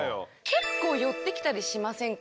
結構寄ってきたりしませんか？